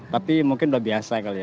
tapi mungkin udah biasa kali ya